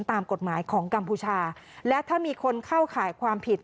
ตามกฎหมายของกัมพูชาและถ้ามีคนเข้าข่ายความผิด